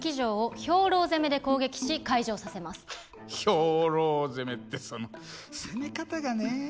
兵糧攻めってその攻め方がねえ。